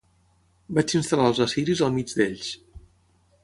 Vaig instal·lar els assiris al mig d'ells.